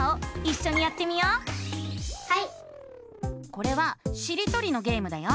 これはしりとりのゲームだよ。